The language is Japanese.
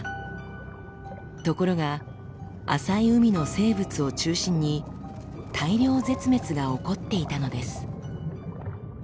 ところが浅い海の生物を中心に大量絶滅が起こっていたのです。